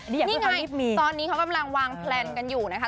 นี่อยากให้เขารีบมีนี่ไงตอนนี้เขากำลังวางแพลนกันอยู่นะคะ